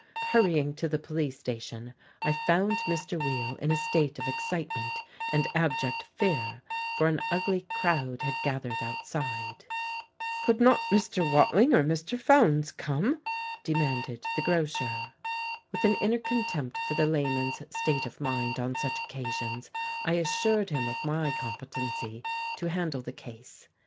Hurrying to the police station, I found Mr. Weill in a state of excitement and abject fear, for an ugly crowd had gathered outside. "Could not Mr. Watling or Mr. Fowndes come?" demanded the grocer. With an inner contempt for the layman's state of mind on such occasions I assured him of my competency to handle the case.